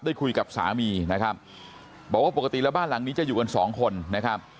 ได้คุยกับสามีนะครับบอกว่าปกติแล้วบ้านหลังนี้จะอยู่กันสองคนนะครับ